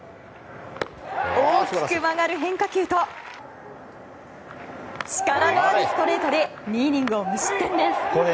大きく曲がる変化球と力のあるストレートで２イニングを無失点です。